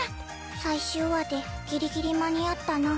最終話でギリギリ間に合ったな。